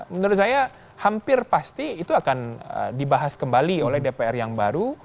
menurut saya hampir pasti itu akan dibahas kembali oleh dpr yang baru